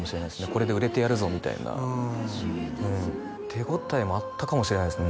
これで売れてやるぞみたいな手応えもあったかもしれないですね